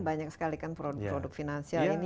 banyak sekali kan produk produk finansial ini